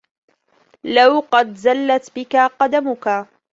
لَوْ قَدْ زَلَّتْ بِك قَدَمُك